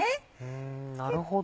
なるほど。